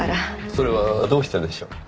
それはどうしてでしょう？